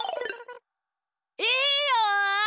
いいよ！